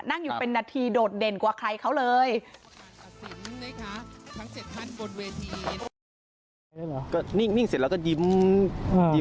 นั่งอยู่เป็นนาทีโดดเด่นกว่าใครเขาเลย